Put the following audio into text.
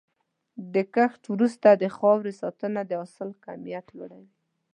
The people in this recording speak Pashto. د کښت وروسته د خاورې ساتنه د حاصل کیفیت لوړوي.